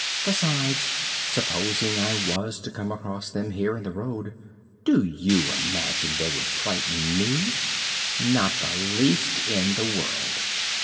Besides, supposing I was to come across them here in the road, do you imagine they would frighten me? Not the least in the world.